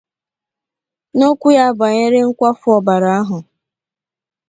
N'okwu ya banyere nkwafu ọbara ahụ